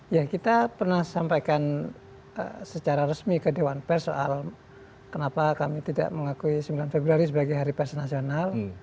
ya kita pernah sampaikan secara resmi ke dewan pers soal kenapa kami tidak mengakui sembilan februari sebagai hari pers nasional